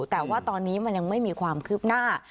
แต่ว่าตอนนี้มันยังไม่มีความคืบหน้า